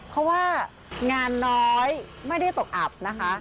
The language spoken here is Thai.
เพราะว่างานน้อยไม่ได้ตกอับนะคะ